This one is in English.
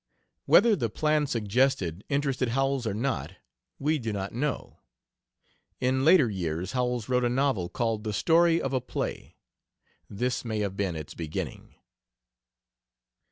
Whether the plan suggested interested Howells or not we do not know. In later years Howells wrote a novel called The Story of a Play; this may have been its beginning.